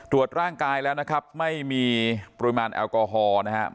ร่างกายแล้วนะครับไม่มีปริมาณแอลกอฮอล์นะครับ